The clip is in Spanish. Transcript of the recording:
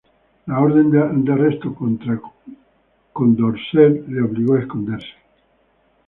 La orden de arresto contra Condorcet le obligó a esconderse.